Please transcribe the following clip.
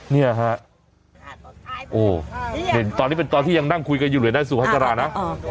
เนี่ยฮะโอ้เห็นตอนนี้เป็นตอนที่ยังนั่งคุยกันอยู่เลยนะสุภาษานะ